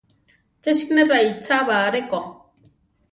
Ché siné raichába aréko.